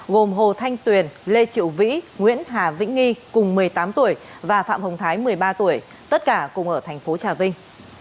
gồm hồ thanh tuyền lê triệu vĩ nguyễn hà vĩnh nghi cùng một mươi tám tuổi và phạm hồng thái một mươi ba tuổi tất cả cùng ở thành phố trà vinh